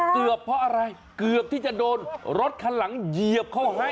เกือบเพราะอะไรเกือบที่จะโดนรถคันหลังเหยียบเข้าให้